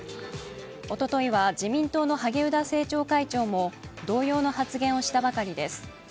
おとといは、自民党の萩生田政調会長も同様の発言をしたばかりです。